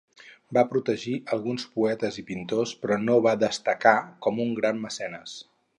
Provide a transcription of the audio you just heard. Va protegir alguns poetes i pintors però no va destacar com un gran mecenes.